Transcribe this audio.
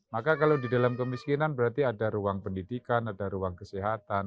maka kalau di dalam kemiskinan berarti ada ruang pendidikan ada ruang kesehatan